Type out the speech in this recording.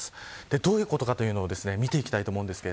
どういうことかというのを見ていきたいと思います。